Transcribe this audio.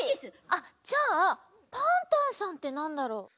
あっじゃあパンタンさんってなんだろう？